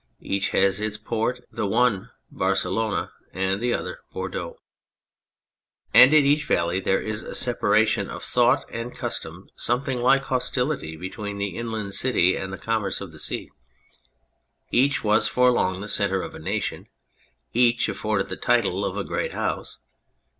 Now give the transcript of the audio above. Each has its port : the one Barcelona, the other Bordeaux ; and in each valley there is separation of thought and custom something like hostility between the in land city and the commerce of the sea. Each was for long the centre of a nation, each afforded the title of a great house.